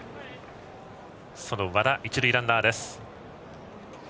その和田が一塁ランナー。